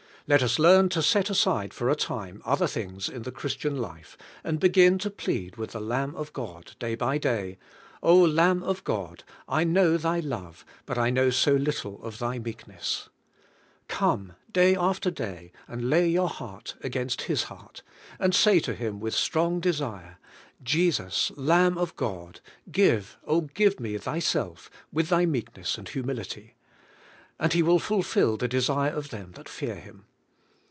Let us learn to set aside for a time other things in the Christian life, and begin to plead with the Lamb of God day bj day, '^O Lam.b of God, I know Thy love, but I know so little of Thy meekness." Come day after day, and lay your heart against His heart, and say to Him with strong desire: "Jesus, Lamb of God, give, oh, give me Thyself, with Thy meek CHRIST S HUMILITY OUR SALVATION' 97 ness and humility," and He will fulfill the desire of them that fear Him.